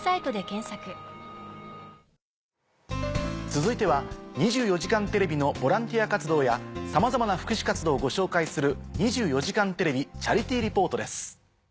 続いては『２４時間テレビ』のボランティア活動やさまざまな福祉活動をご紹介する。